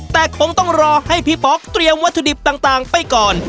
แต่คงต้องรอให้พี่ป๊อกเตรียมวัตถุดิบต่างไปก่อน